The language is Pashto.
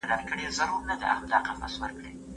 پلاټ پټ وي، خو اغېز یې ښکاره وي.